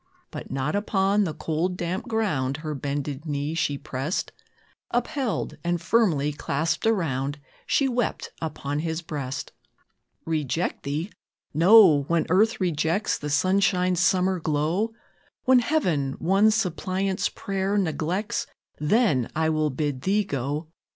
But not upon the cold, damp ground, Her bended knee she pressed; Upheld, and firmly clasped around, She wept upon his breast. "Reject thee? No! When earth rejects The sunshine's summer glow, When Heaven one suppliant's prayer neglects, Then will I bid thee go.